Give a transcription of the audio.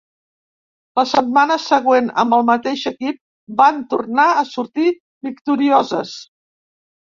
La setmana següent amb el mateix equip van tornar a sortir victorioses.